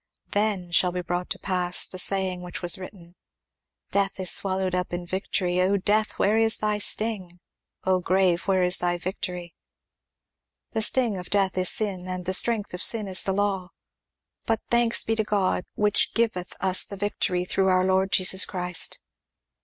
"Then shall be brought to pass the saying which is written, Death is swallowed up in victory. O death, where is thy sting? O grave, where is thy victory? The sting of death is sin, and the strength of sin is the law. But thanks be to God, which giveth us the victory through our Lord Jesus Christ."